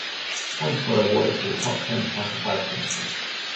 Points were awarded to the top ten classified finishers.